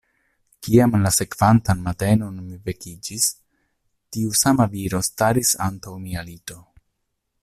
Kiam la sekvantan matenon mi vekiĝis, tiu sama viro staris antaŭ mia lito.